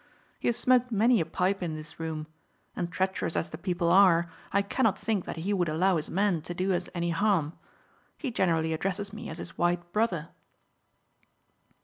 He has smoked many a pipe in this room, and treacherous as the people are, I cannot think that he would allow his men to do us any harm. He generally addresses me as his white brother."